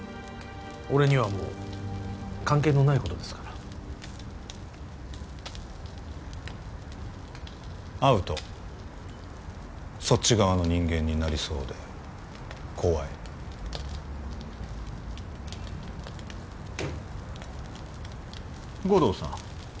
俺にはもう関係のないことですから会うとそっち側の人間になりそうで怖い護道さん